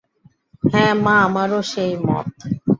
হাঁ মা, আমারও সেই মত।